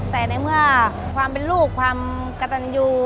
แต่ในเมื่อความเป็นลูกความกระตันยู